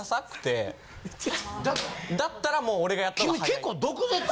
だったらもう俺がやった方が。